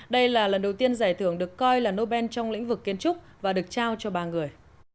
đây là lần đầu tiên giải thưởng được coi là nobel trong lĩnh vực kiến trúc và được trao cho ba người